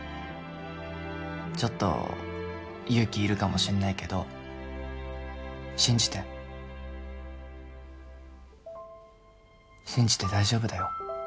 ちょっと勇気いるかもしれないけど信じて信じて大丈夫だよ